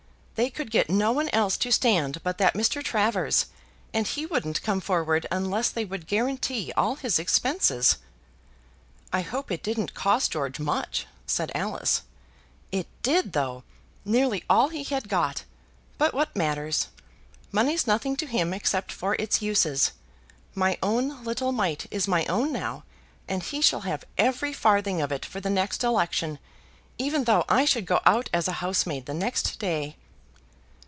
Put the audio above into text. They could get no one else to stand but that Mr. Travers, and he wouldn't come forward, unless they would guarantee all his expenses." "I hope it didn't cost George much," said Alice. "It did, though; nearly all he had got. But what matters? Money's nothing to him, except for its uses. My own little mite is my own now, and he shall have every farthing of it for the next election, even though I should go out as a housemaid the next day."